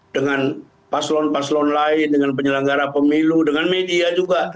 dengan paslon paslon lain dengan penyelenggara pemilu dengan media juga